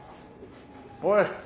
・おい！